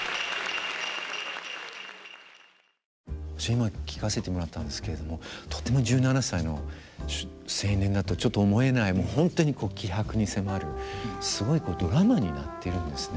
今聴かせてもらったんですけれどもとても１７歳の青年だとちょっと思えない本当に気迫に迫るすごいドラマになってるんですね。